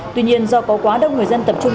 tuy nhiên do có quá đông người dân tập trung